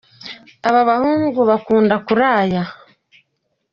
ababahungu bakunda kuraya